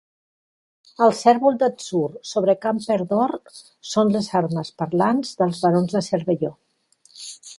El cérvol d'atzur sobre camper d'or són les armes parlants dels barons de Cervelló.